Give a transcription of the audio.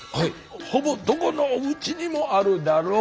ほぼどこのおうちにもあるだろう。